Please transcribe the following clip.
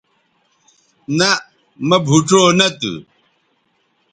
نہء مہ بھوڇؤ نہ تھو